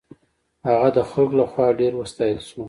هغه د خلکو له خوا ډېر وستایل شو.